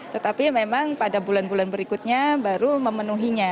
tetapi memang pada bulan bulan berikutnya baru memenuhinya